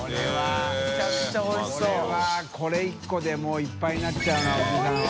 兇これ１個でもういっぱいになっちゃうなおじさんは。